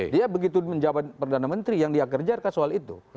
dia begitu menjabat perdana menteri yang dia kerjakan soal itu